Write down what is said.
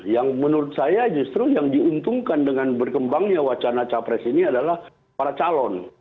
yang menurut saya justru yang diuntungkan dengan berkembangnya wacana capres ini adalah para calon